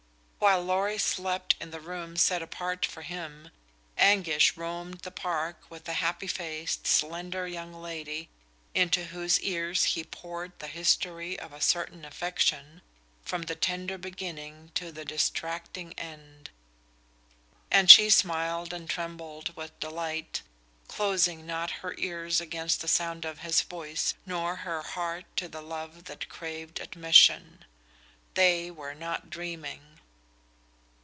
While Lorry slept in the room set apart for him, Anguish roamed the park with a happy faced, slender young lady, into whose ears he poured the history of a certain affection, from the tender beginning to the distracting end. And she smiled and trembled with delight, closing not her ears against the sound of his voice nor her heart to the love that craved admission. They were not dreaming.